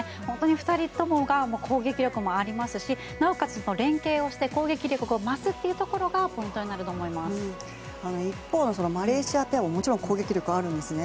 ２人ともが攻撃力もありますしなおかつ連係をして攻撃力を増すというところが一方のマレーシアペアももちろん攻撃力があるんですね。